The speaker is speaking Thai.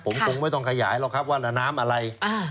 ผมคงไม่ต้องขยายหรอกครับว่าน้ำอะไร